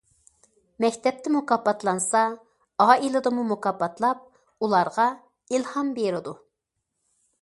مەكتەپتە مۇكاپاتلانسا ئائىلىدىمۇ مۇكاپاتلاپ، ئۇلارغا ئىلھام بېرىدۇ.